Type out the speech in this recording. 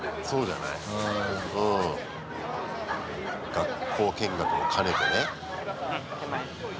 学校見学も兼ねてね。